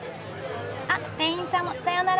あっ店員さんもさようなら。